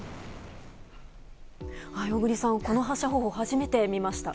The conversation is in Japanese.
小栗さん、この発射方法初めて見ました。